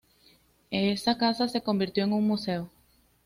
Esa casa se convirtió en un museo.